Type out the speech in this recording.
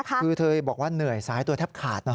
คือเธอบอกว่าเหนื่อยซ้ายตัวแทบขาดนะ